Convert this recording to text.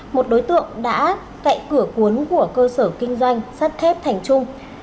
một đối tượng đã cậy cửa cuốn của cơ sở kinh doanh sắt thép thành trung